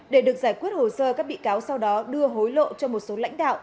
để được giải quyết hồ sơ các bị cáo sau đó đưa hối lộ cho một số lãnh đạo